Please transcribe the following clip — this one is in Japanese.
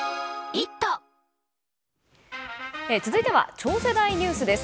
続いては、超世代ニュースです。